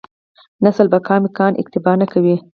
نسل بقا امکان اکتفا نه کوي.